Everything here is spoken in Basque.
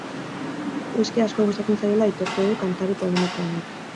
Whiskya asko gustatzen zaiola aitortu du kantari polemiko honek.